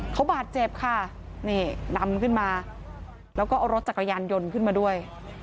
เขาบาดเจ็บค่ะนี่นำขึ้นมาแล้วก็เอารถจักรยานยนต์ขึ้นมาด้วย